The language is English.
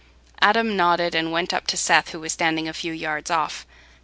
Adam nodded and went up to Seth, who was standing a few yards off.